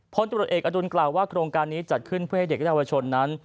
พลตรวจเอกอดุลกล่าวว่าโครงการนี้จัดขึ้นเพื่อให้เด็กและเยาวชนนั้น